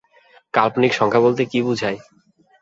কাল্পনিক সংখ্যা বলতে কী বোঝায়?